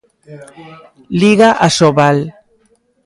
Liga Asobal.